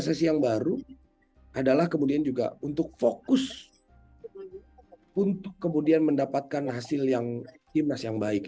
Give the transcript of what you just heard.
saya ingin mendapatkan hasil yang jelas yang baik